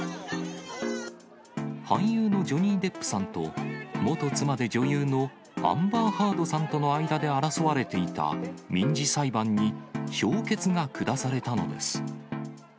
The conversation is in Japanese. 俳優のジョニー・デップさんと、元妻で女優のアンバー・ハードさんとの間で争われていた民事裁判に評決が下されたのです。